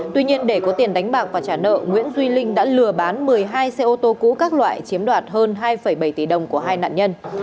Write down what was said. tuy nhiên để có tiền đánh bạc và trả nợ nguyễn duy linh đã lừa bán một mươi hai xe ô tô cũ các loại chiếm đoạt hơn hai bảy tỷ đồng của hai nạn nhân